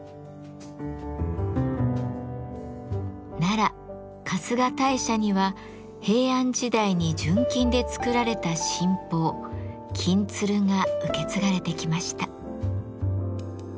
奈良春日大社には平安時代に純金で作られた神宝「金鶴」が受け継がれてきました。